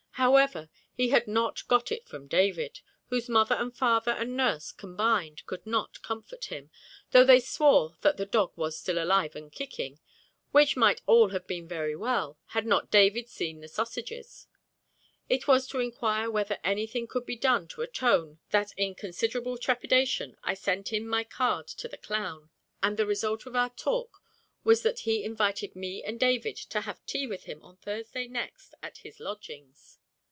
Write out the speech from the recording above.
However, he had not got it from David, whose mother and father and nurse combined could not comfort him, though they swore that the dog was still alive and kicking, which might all have been very well had not David seen the sausages. It was to inquire whether anything could be done to atone that in considerable trepidation I sent in my card to the clown, and the result of our talk was that he invited me and David to have tea with him on Thursday next at his lodgings.